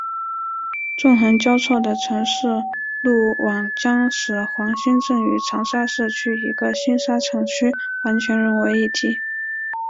纵横交错的城市路网将使黄兴镇与长沙市区和星沙城区完全融为一体。